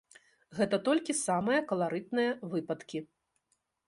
Гэта толькі самыя каларытныя выпадкі!